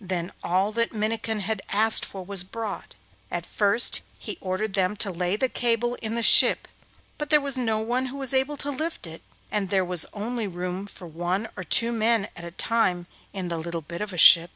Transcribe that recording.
Then all that Minnikin had asked for was brought; and first he ordered them to lay the cable in the ship, but there was no one who was able to lift it, and there was only room for one or two men at a time in the little bit of a ship.